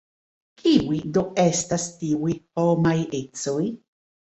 Kiuj do estas tiuj homaj ecoj?